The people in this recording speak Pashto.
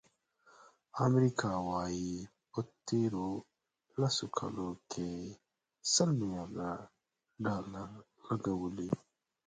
امریکا وایي، په تېرو لسو کالو کې سل ملیارد ډالر لګولي.